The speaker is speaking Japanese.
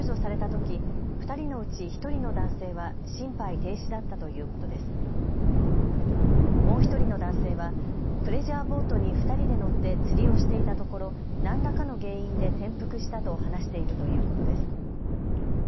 もう１人の男性はプレジャーボートに２人で乗って釣りをしていたところ何らかの原因で転覆したと話しているということです。